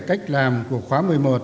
cách làm của khóa một mươi một